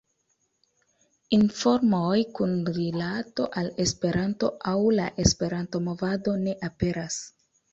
Informoj kun rilato al Esperanto aŭ la Esperanto-movado ne aperas.